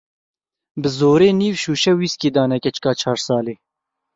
Bi zorê nîv şûşe wîskî dane keçika çar salî.